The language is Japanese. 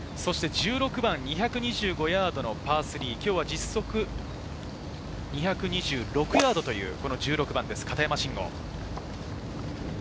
１６番、２２５ヤードのパー３、今日は実測２２６ヤードという１６番です、片山晋呉。